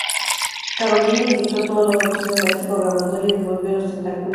Carolyn le inyectó todos los datos del Maestro Programador y le devolvió los tentáculos.